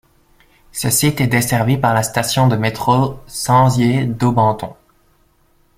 Ce site est desservi par la station de métro Censier - Daubenton.